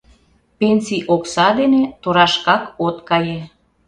Пенсий окса дене торашкак от кае.